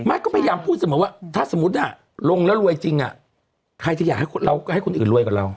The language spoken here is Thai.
มันก็พยายามพูดสมมุติว่าถ้าสมมุติลงแล้วรวยจริงใครจะอยากให้คนอื่นรวยกว่าเรา